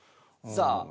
さあ。